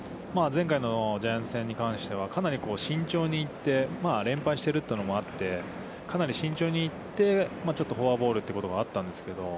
前回のジャイアンツ戦に関してはかなり慎重に行って、連敗してるというのもあって、かなり慎重に行って、ちょっとフォアボールということがあったんですけど。